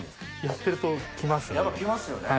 やってると来ますね。